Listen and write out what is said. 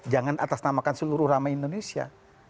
jangan atasnamakan seluruh ramai indonesia